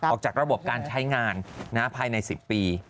ออกจากระบบการใช้งานภายใน๑๐ปี